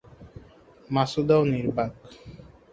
মাছুদাও নির্বাক।